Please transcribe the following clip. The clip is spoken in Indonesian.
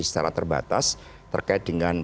secara terbatas terkait dengan